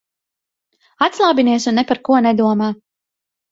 Atslābinies un ne par ko nedomā.